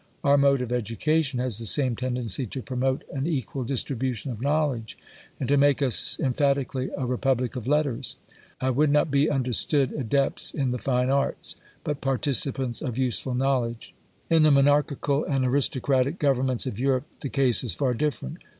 Our mode of education' has the same tendency to promote an equal distribution of knowledge, and to make us emphatically a " repub lic of letters :" I would not be understood adepts in the fine arts, but participants of useful knowledge. " In the monarchical and aristocratic governments of Europe, the case is far different.